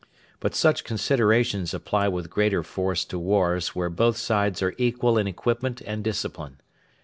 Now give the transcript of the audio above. But such considerations apply with greater force to wars where both sides are equal in equipment and discipline.